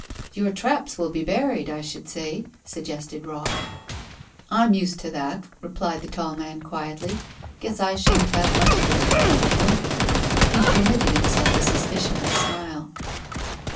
"Your traps will be buried, I should say," suggested Robb. "I'm used to that," replied the tall man quietly. "Guess I shan't have much difficulty with 'em." He permitted himself the suspicion of a smile.